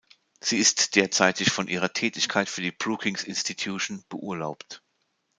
Sie ist derzeit von ihrer Tätigkeit für die Brookings Institution beurlaubt.